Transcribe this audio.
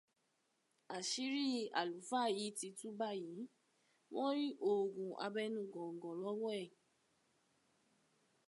Àṣírí àlùfáà yìí ti tú báyìí, wọ́n rí oògùn abẹnu gọ̀ǹgọ̀ lọ́wọ́ ẹ̀.